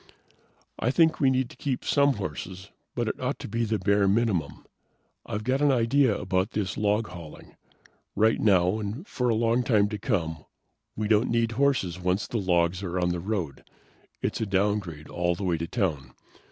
"I think we need to keep some horses, but it ought to be the bare minimum. I've got an idea about this log hauling. Right now, and for a long time to come, we don't need horses once the logs are on the road. It's a downgrade all the way to town.